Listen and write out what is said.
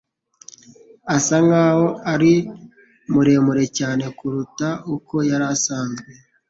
asa nkaho ari muremure cyane kuruta uko yari asanzwe